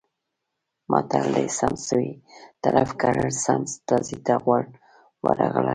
متل دی: سم سوی طرف کړل سم تازي ته غول ورغلل.